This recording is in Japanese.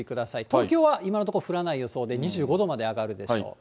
東京は今のところ降らない予想で、２５度まで上がるでしょう。